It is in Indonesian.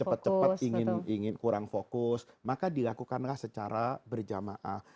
cepat cepat ingin kurang fokus maka dilakukanlah secara berjamaah